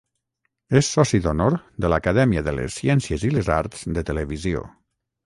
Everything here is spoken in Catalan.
És Soci d'Honor de l'Acadèmia de les Ciències i les Arts de Televisió.